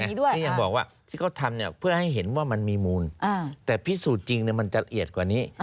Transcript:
คืออย่างที่บอกไงที่เขาทำเพื่อให้เห็นว่ามันมีมูลแต่พิสูจน์จริงมันจะละเอียดกว่านี้